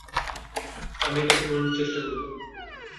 আমি এটা থামানোর চেষ্টা করব।